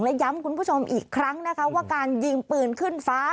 และย้ำคุณผู้ชมอีกครั้งนะคะว่าการยิงปืนขึ้นฟ้า